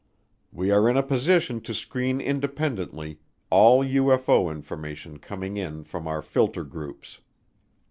"We are in a position to screen independently all UFO information coming in from our filter groups.